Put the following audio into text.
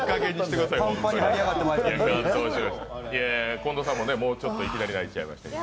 近藤さんも、いきなり泣いちゃいましたけど。